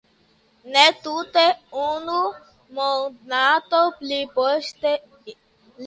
Ne tute unu monaton pli poste li mortis.